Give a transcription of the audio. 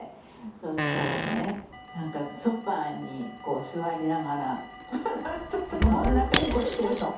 そうしたらねソファに座りながらこんな格好してるの。